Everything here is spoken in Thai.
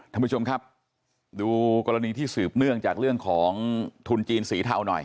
ท่านผู้ชมครับดูกรณีที่สืบเนื่องจากเรื่องของทุนจีนสีเทาหน่อย